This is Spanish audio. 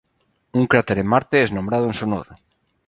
Un cráter en Marte es nombrado en su honor.